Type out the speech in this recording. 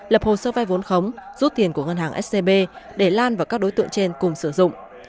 lập hồ sơ vai vốn khống rút tiền của ngân hàng scb để lan và các đối tượng trên cùng sử dụng